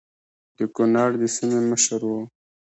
د کنړ د سیمې مشر وو.